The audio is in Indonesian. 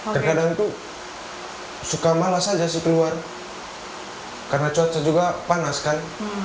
terkadang itu suka malas aja sih keluar karena cuaca juga panas kan